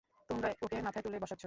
তোমরা ওকে মাথায় তুলে বসাচ্ছো।